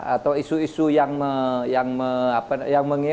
atau isu isu yang